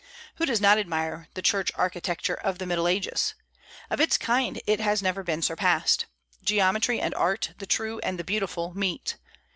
Who does not admire the church architecture of the Middle Ages? Of its kind it has never been surpassed. Geometry and art the true and the beautiful meet.